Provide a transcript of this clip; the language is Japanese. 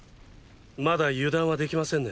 まだ油断はできませんね。